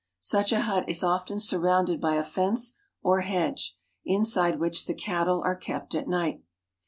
Such a hut is often surrounded by a fence or hedge, inside which the cattle are kept at night.